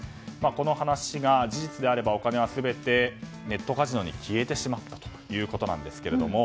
この話が事実であればお金は全てネットカジノに消えてしまったということなんですけども。